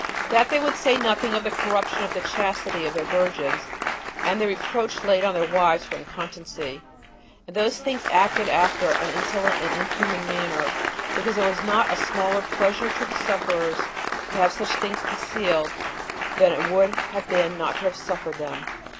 That they would say nothing of the corruption of the chastity of their virgins, and the reproach laid on their wives for incontinency, and those things acted after an insolent and inhuman manner; because it was not a smaller pleasure to the sufferers to have such things concealed, than it would have been not to have suffered them.